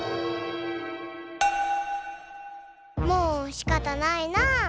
もうしかたないなぁ。